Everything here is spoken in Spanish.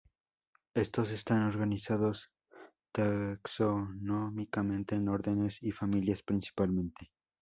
Estos están organizados taxonómicamente en órdenes y familias, principalmente.